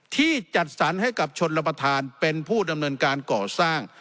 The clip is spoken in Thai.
ที่จัดสรรให้กับชนรับประทานเป็นผู้ดำเนินการก่อสร้าง